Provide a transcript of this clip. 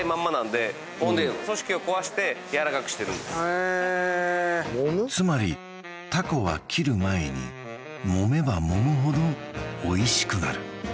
へえつまりタコは切る前にもめばもむほどおいしくなる